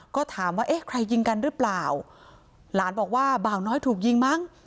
ก็ถามว่าเอ๊ะใครยิงกันหรือเปล่าหลานบอกว่าบ่าวน้อยถูกยิงมั้ง